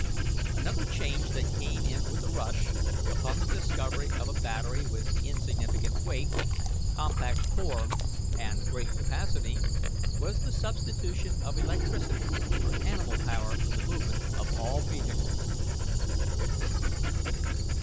"Another change that came in with a rush upon the discovery of a battery with insignificant weight, compact form, and great capacity, was the substitution of electricity for animal power for the movement of all vehicles.